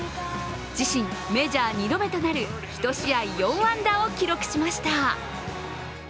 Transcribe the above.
自身メジャー２度目となる１試合４安打を記録しました。